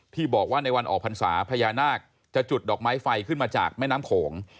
ที่บอกว่าในวันออกพรรษาพญานาคจะจุดดอกไม้ไฟขึ้นมาจากแม่น้ำโขง